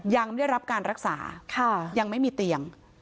ยังไม่ได้รับการรักษายังไม่มีเตียง